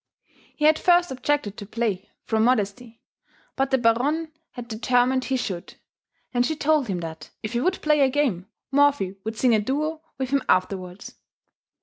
He at first objected to play, from modesty, but the Baronne had determined he should, and she told him that, if he would play a game, Morphy would sing a duo with him afterwards.